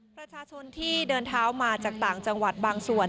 ประชาชนที่เดินเท้ามาจากต่างจังหวัดบางส่วน